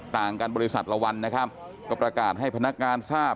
ต่างกันบริษัทละวันนะครับก็ประกาศให้พนักงานทราบ